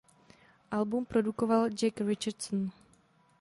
Album produkoval Jack Richardson.